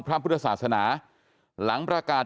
พระพุทธศาสนาหลังประกาศ